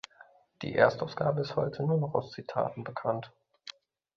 Die Erstausgabe ist heute nur noch aus Zitaten bekannt.